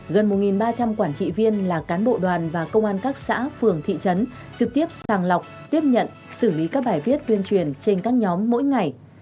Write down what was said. gần một ba trăm linh quản trị viên là cán bộ đoàn và công an các xã phường thị trấn trực tiếp sàng lọc tiếp nhận xử lý các bài viết tuyên truyền trên các nhóm mỗi ngày